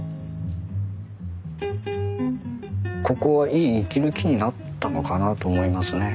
ここはいい息抜きになったのかなと思いますね。